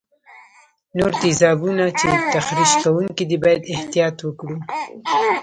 نور تیزابونه چې تخریش کوونکي دي باید احتیاط وکړو.